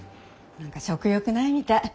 何か食欲ないみたい。